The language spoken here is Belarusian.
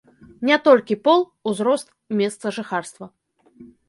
Не толькі пол, узрост і месца жыхарства.